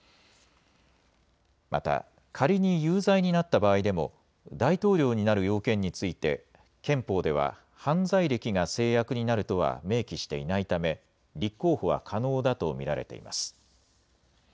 また、仮に有罪になった場合でも、大統領による、大統領になる要件について、憲法では犯罪歴が制約になるとは明記していないため、立候補は可能だと見られています。